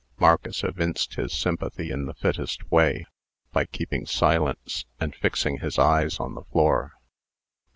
Marcus evinced his sympathy in the fittest way, by keeping silence, and fixing his eyes on the floor.